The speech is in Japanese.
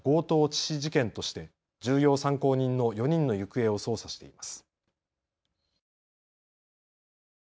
致死事件として重要参考人の４人の行方を捜査しています。